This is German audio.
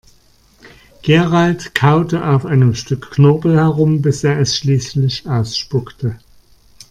Gerald kaute auf einem Stück Knorpel herum, bis er es schließlich ausspuckte.